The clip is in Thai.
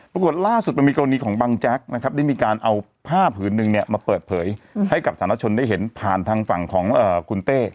ปรากฏล่าสุดมันมีกรณีของบังแจ๊กนะครับได้มีการเอาผ้าผืนหนึ่งเนี่ยมาเปิดเผยให้กับสาธารณชนได้เห็นผ่านทางฝั่งของคุณเต้